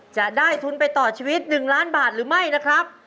จะได้ทุนไปต่อชีวิต๑ล้านบาทหรือไม่นะครับ